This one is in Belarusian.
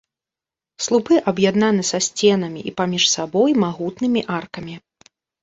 Слупы аб'яднаны са сценамі і паміж сабой магутнымі аркамі.